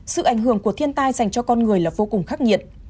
sự ảnh hưởng của thiên tai dành cho con người là vô cùng khắc nghiệt